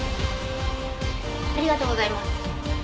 ありがとうございます。